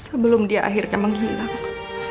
sebelum dia akhirnya menghilang